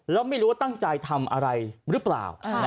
แล้วไม่รู้ว่าตั้งใจทำอะไรหรือเปล่า